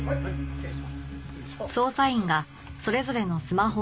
失礼します。